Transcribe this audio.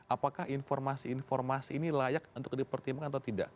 apakah informasi informasi ini layak untuk dipertimbangkan atau tidak